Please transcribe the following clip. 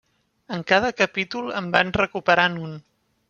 En cada capítol en van recuperant un.